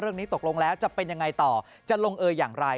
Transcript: เรื่องนี้ตกลงแล้วจะเป็นยังไงต่อจะลงเออย่างไร